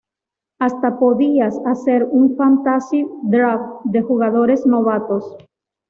Hasta podías hacer un Fantasy Draft de jugadores novatos.